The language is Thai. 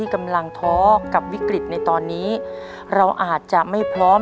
หยาดเหงื่อท่วมกายของเด็กชายวัย๑๕ปี